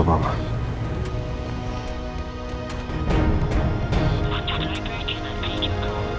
jangan sampai riki yang kabur